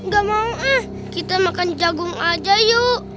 gak mau ah kita makan jagung aja yuk